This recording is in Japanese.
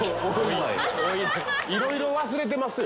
いろいろ忘れてますよ。